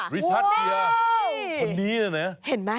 ลิชาร์ดเกียร์คนนี้นะเนี่ย